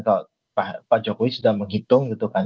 kalau pak jokowi sudah menghitung gitu kan